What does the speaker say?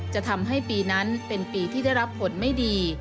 จะทำให้ปีนั้นเป็นปีที่ได้รับผลไม่ดี